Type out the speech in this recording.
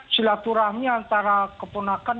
silaturahmi antara keponakan